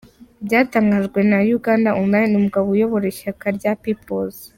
byatangajwe na Ugandaonline, uyu mugabo uyobora ishyaka rya People's.